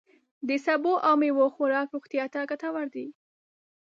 د سبوو او میوو خوراک روغتیا ته ګتور وي.